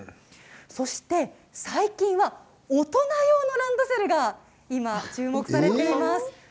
そして最近は大人用のランドセルが今、注目されています。